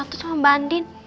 ngomong sesuatu sama mbak din